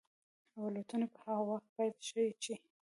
او الوتنې به هغه وخت پيل شي چې